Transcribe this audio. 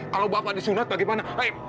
kalau bapak disunat bagaimana